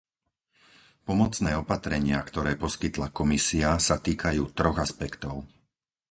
Pomocné opatrenia, ktoré poskytla Komisia, sa týkajú troch aspektov.